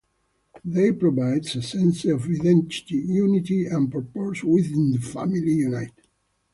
They provide a sense of identity, unity, and purpose within the family unit.